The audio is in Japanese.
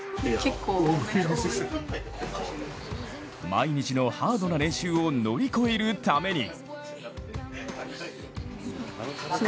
毎日のハードな練習を乗り越えるために。